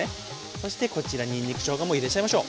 そしてこちらにんにく・しょうがも入れちゃいましょう。